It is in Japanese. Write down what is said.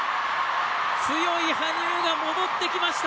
強い羽生が戻ってきました。